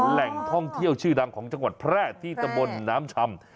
แหล่งท่องเที่ยวชื่อดังของจังหวัดแพร่ที่ตะบนน้ำชำ